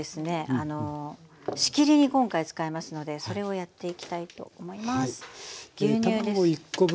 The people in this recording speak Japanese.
あの仕切りに今回使いますのでそれをやっていきたいと思います。